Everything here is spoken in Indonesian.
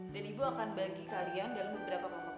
dan ibu akan bagi kalian dalam beberapa hal